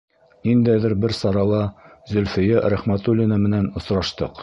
Ниндәйҙер бер сарала Зөлфиә Рәхмәтуллина менән осраштыҡ.